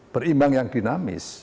berimbang yang dinamis